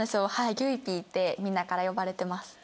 ゆいＰってみんなから呼ばれてます。